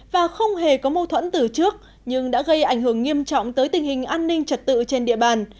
và không hề có mâu thuẫn từ trước nhưng đã gây ảnh hưởng nghiêm trọng tới tình hình an ninh trật tự trên địa bàn